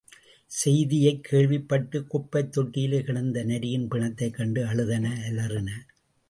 செய்தியைக் கேள்விப் பட்டுக் குப்பைத் தொட்டியில் கிடந்த நரியின் பிணத்தைக் கண்டு அழுதன அலறின.